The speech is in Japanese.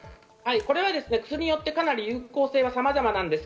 薬によってかなり有効性はさまざまです。